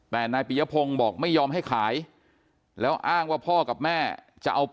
แต่นายปียพงศ์บอกไม่ยอมให้ขายแล้วอ้างว่าพ่อกับแม่จะเอาไป